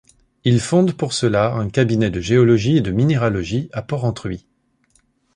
Il fonde pour cela un cabinet de géologie et de minéralogie à Porrentruy.